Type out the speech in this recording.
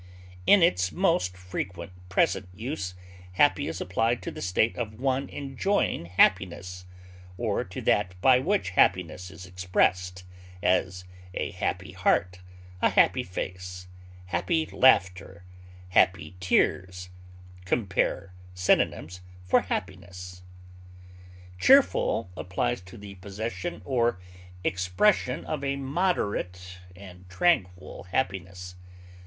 In its most frequent present use, happy is applied to the state of one enjoying happiness, or to that by which happiness is expressed; as, a happy heart; a happy face; happy laughter; happy tears (compare synonyms for HAPPINESS). Cheerful applies to the possession or expression of a moderate and tranquil happiness.